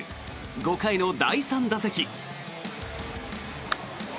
５回の第３打席。